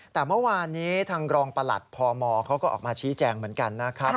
แต่เมื่อวานนี้ทางรองประหลัดพมเขาก็ออกมาชี้แจงเหมือนกันนะครับ